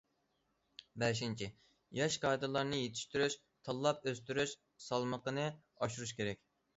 بەشىنچى، ياش كادىرلارنى يېتىشتۈرۈش، تاللاپ ئۆستۈرۈش سالمىقىنى ئاشۇرۇش كېرەك.